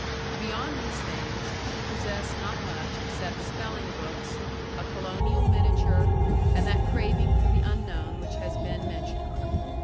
Beyond these things, she possessed not much except spelling books, a colonial miniature, and that craving for the unknown which has been mentioned.